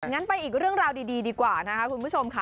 งั้นไปอีกเรื่องราวดีดีกว่านะคะคุณผู้ชมค่ะ